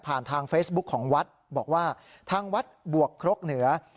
ทางเฟซบุ๊คของวัดบอกว่าทางวัดบวกครกเหนือ